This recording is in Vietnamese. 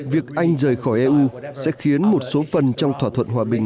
việc anh rời khỏi eu sẽ khiến một số phần trong thỏa thuận hòa bình